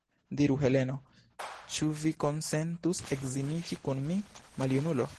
Diru, Heleno, ĉu vi konsentus edziniĝi kun mi, maljunulo?